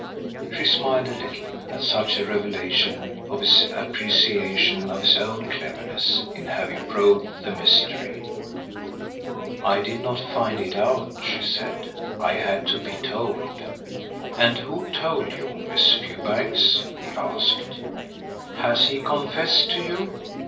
She smiled a little at such a revelation of his appreciation of his own cleverness in having probed the mystery. "I did not find it out," she said. "I had to be told." "And who told you, Miss Fewbanks?" he asked. "Has he confessed to you?